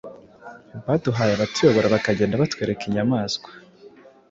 baduhaye abatuyobora bakagenda batwereka inyamaswa